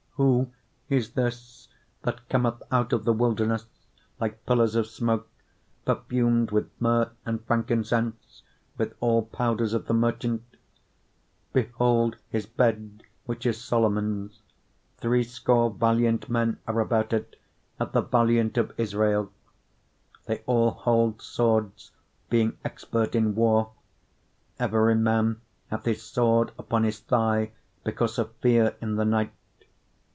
3:6 Who is this that cometh out of the wilderness like pillars of smoke, perfumed with myrrh and frankincense, with all powders of the merchant? 3:7 Behold his bed, which is Solomon's; threescore valiant men are about it, of the valiant of Israel. 3:8 They all hold swords, being expert in war: every man hath his sword upon his thigh because of fear in the night.